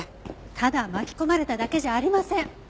ただ巻き込まれただけじゃありません。